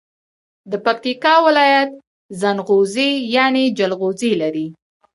د پکیتکا ولایت زنغوزي یعنی جلغوزي لري.